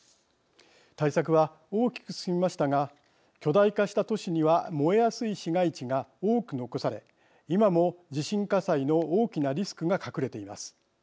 対策は、大きく進みましたが巨大化した都市には燃えやすい市街地が多く残され今も、地震火災の大きなリスクが隠れています。